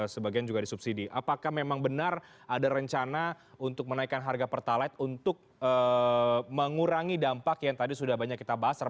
sebagian juga disubsidi apakah memang benar ada rencana untuk menaikkan harga pertalite untuk mengurangi dampak yang tadi sudah banyak kita bahas